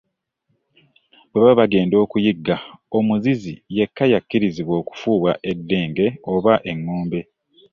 Bwe baba bagenda okuyigga, omuzizi yekka y’akkirizibwa okufuuwa eddenge oba eŋŋombe.